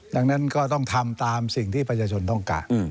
ดังนั้นก็ต้องทำตามสิ่งที่ประชาชนต้องการ